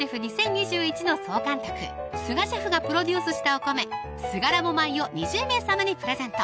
総監督・須賀シェフがプロデュースしたお米「ＳＵＧＡＬＡＢＯ米」を２０名様にプレゼント